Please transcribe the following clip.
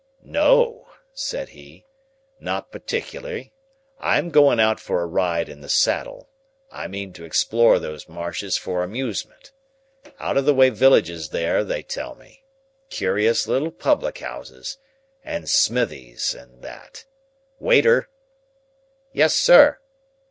"No," said he, "not particularly. I am going out for a ride in the saddle. I mean to explore those marshes for amusement. Out of the way villages there, they tell me. Curious little public houses—and smithies—and that. Waiter!" "Yes, sir."